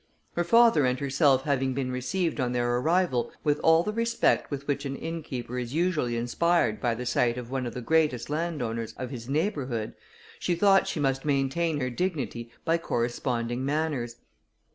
Her father and herself having been received, on their arrival, with all the respect with which an innkeeper is usually inspired by the sight of one of the greatest landowners of his neighbourhood, she thought she must maintain her dignity by corresponding manners.